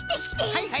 はいはい。